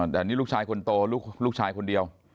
แต่นี่ลูกชายคนโตลูกชายคนเดียว